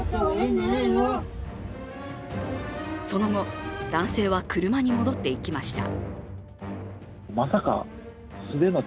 その後、男性は車に戻っていきました。